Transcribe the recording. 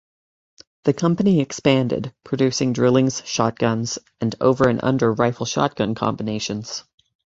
The company expanded producing drillings, shotguns, and over and under rifle-shotgun combinations.